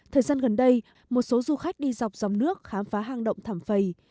thời gian gần đây một số du khách đi dọc dòng nước khám phá hang động thảm phầy